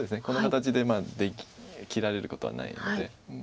この形で切られることはないので。